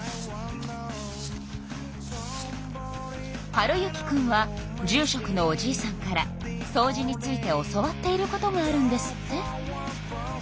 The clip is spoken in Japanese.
温之くんは住しょくのおじいさんからそうじについて教わっていることがあるんですって。